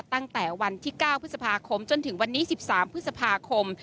ตั้งแต่วันที่๙พฤษภาคมจนถึงวันนี้๑๓พฤษภาคม